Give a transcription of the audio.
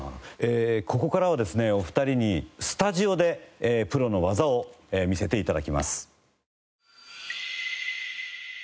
ここからはですねお二人にスタジオでプロの技を見せて頂きます。